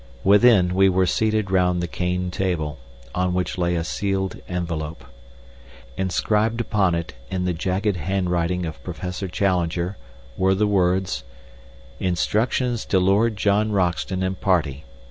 Within we were seated round the cane table, on which lay a sealed envelope. Inscribed upon it, in the jagged handwriting of Professor Challenger, were the words: "Instructions to Lord John Roxton and party.